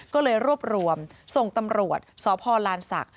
ก็เลยรวบรวมส่งตำรวจสพลานศักดิ